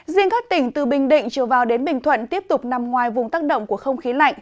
riêng các tỉnh từ bình định trở vào đến bình thuận tiếp tục nằm ngoài vùng tác động của không khí lạnh